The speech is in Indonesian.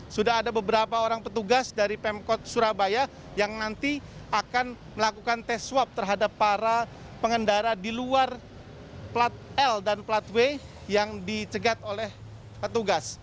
sudah ada beberapa orang petugas dari pemkot surabaya yang nanti akan melakukan tes swab terhadap para pengendara di luar plat l dan plat w yang dicegat oleh petugas